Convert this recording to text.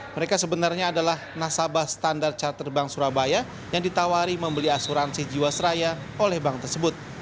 mereka sebenarnya adalah nasabah standar charter bank surabaya yang ditawari membeli asuransi jiwasraya oleh bank tersebut